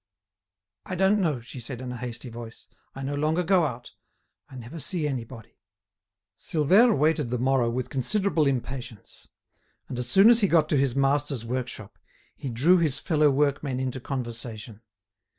"I don't know," she said in a hasty voice; "I no longer go out, I never see anybody." Silvère waited the morrow with considerable impatience. And as soon as he got to his master's workshop, he drew his fellow workmen into conversation.